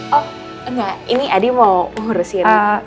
oh enggak ini adi mau urusin